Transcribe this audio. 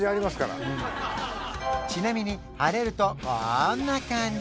ちなみに晴れるとこんな感じ